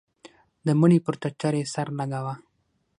د مړي پر ټټر يې سر لگاوه.